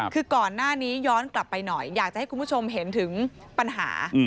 คือก่อนหน้านี้ย้อนกลับไปหน่อยอยากจะให้คุณผู้ชมเห็นถึงปัญหา